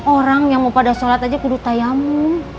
orang yang mau pada sholat aja kudut tayamu